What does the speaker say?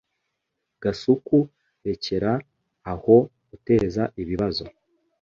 Gasuku rekera aho guteza ibibazo